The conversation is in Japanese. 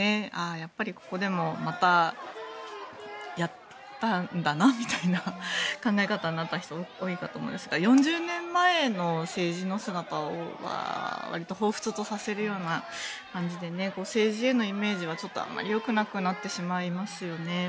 やっぱり、ここでもまたやったんだなみたいな考え方になった人多いと思いますが４０年前の政治の姿をわりとほうふつとさせるような感じで政治へのイメージはちょっとあまりよくなくなってしまいますよね。